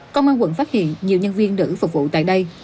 công an quận phát hiện nhiều nhân viên nữ phục vụ tại đây